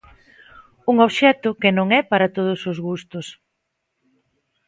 Un obxecto que non é para todos os gustos.